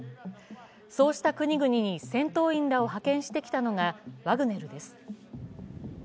そうした国々に戦闘員らを派遣してきたのがワグネルです。